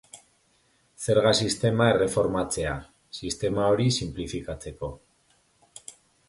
Zerga sistema erreformatzea, sistema hori sinplifikatzeko.